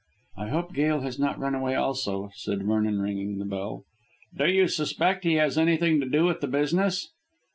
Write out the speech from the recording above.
"I hope Gail has not run away also," said Vernon ringing the bell. "Do you suspect he has anything to do with the business?"